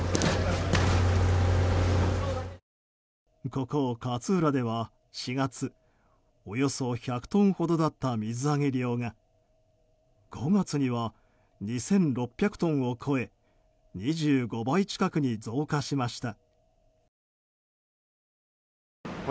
ここ勝浦では、４月およそ１００トンほどだった水揚げ量が５月には２６００トンを超え２５倍近くに増加しました。